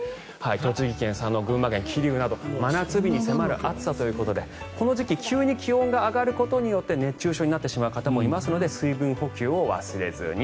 栃木県佐野、群馬県桐生など真夏日に迫る暑さということでこの時期急に気温が上がることによって熱中症になってしまう方もいるので水分補給を忘れずに。